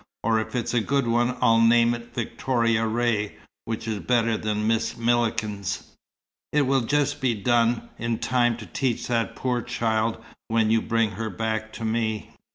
"Or if it's a good one, I'll name it Victoria Ray, which is better than Miss Millikens. It will just be done in time to teach that poor child when you bring her back to me."